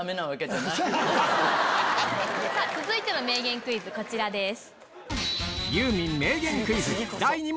続いての名言クイズこちらです。